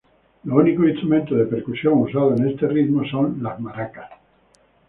Los únicos instrumentos de percusión usados en este ritmo son las maracas.